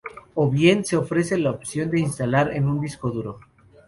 O bien, se ofrece la opción de instalar en un disco duro.